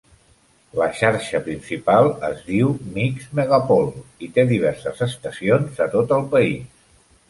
La xarxa principal es diu Mix Megapol i té diverses estacions a tot el país.